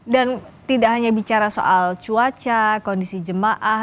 dan tidak hanya bicara soal cuaca kondisi jemaah